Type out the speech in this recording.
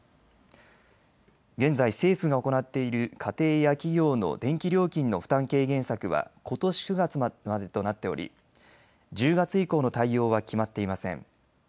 現在、政府が行っている家庭や企業の電気料金の負担軽減策はことし９月末までとなっており１０月以降の対応は決まっていません。